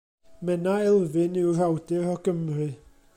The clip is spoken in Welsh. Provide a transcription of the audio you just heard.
Menna Elfyn yw'r awdur o Gymru.